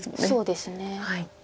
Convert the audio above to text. そうですね。